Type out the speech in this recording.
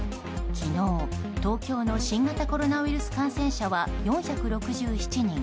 昨日、東京の新型コロナウイルス感染者は４６７人。